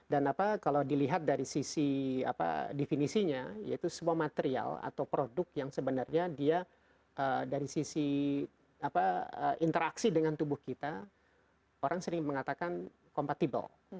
dan apa kalau dilihat dari sisi definisinya yaitu sebuah material atau produk yang sebenarnya dia dari sisi interaksi dengan tubuh kita orang sering mengatakan kompatibel